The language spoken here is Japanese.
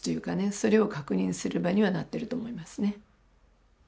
それを確認する場にはなってると思いますね。